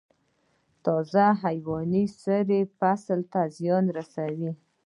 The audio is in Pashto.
تازه حیواني سره فصل ته زیان رسوي؟